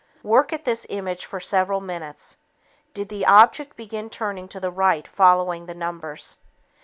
Work at this image for several minutes. Did the object begin turning to the right following the numbers?